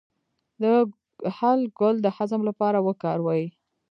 د هل ګل د هضم لپاره وکاروئ